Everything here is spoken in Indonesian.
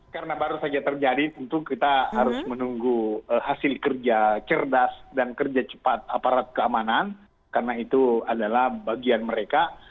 karena baru saja terjadi tentu kita harus menunggu hasil kerja cerdas dan kerja cepat aparat keamanan karena itu adalah bagian mereka